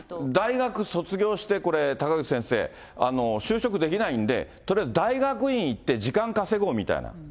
大学卒業して、高口先生、就職できないんで、とりあえず大学院行って時間稼ごうみたいな。